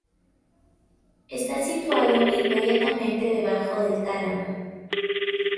Está situado inmediatamente debajo del tálamo.